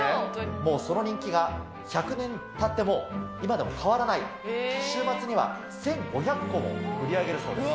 もうその人気が１００年たっても今でも変わらない、週末には１５００個も売り上げるそうです。